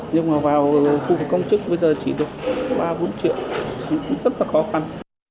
nhưng mà vào khu vực công chức bây giờ chỉ được ba bốn triệu rất là khó khăn